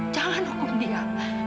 jangan hukum edo